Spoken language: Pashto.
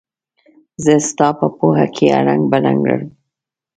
زه ستا په پوهه کې اړنګ بړنګ لرم.